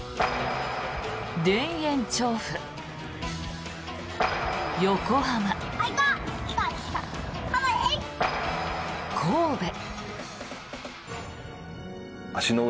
田園調布、横浜、神戸。